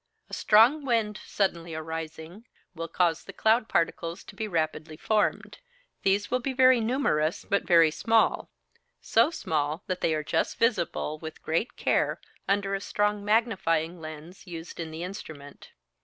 A strong wind, suddenly arising, will cause the cloud particles to be rapidly formed: these will be very numerous, but very small so small that they are just visible with great care under a strong magnifying lens used in the instrument.